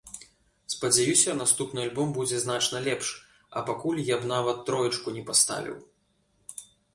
Спадзяюся, наступны альбом будзе значна лепш, а пакуль я б нават троечку не паставіў.